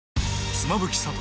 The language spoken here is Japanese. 妻夫木聡